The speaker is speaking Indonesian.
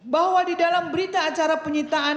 bahwa di dalam berita acara penyitaan